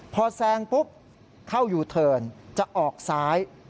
พอแซงปุ๊บเข้ายูเทิร์นจะออกซ้าย